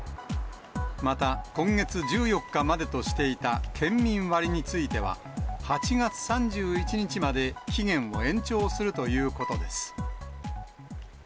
また、今月１４日までとしていた県民割については、８月３１日まで期限を延長するということです。